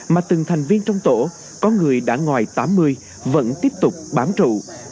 mà từng thành viên trong tổ có người đã ngoài tám mươi vẫn tiếp tục bám trụ